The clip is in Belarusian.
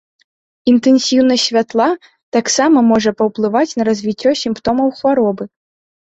Інтэнсіўнасць святла таксама можа паўплываць на развіццё сімптомаў хваробы.